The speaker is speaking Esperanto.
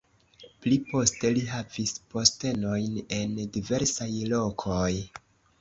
Pli poste li havis postenojn en diversaj lokoj.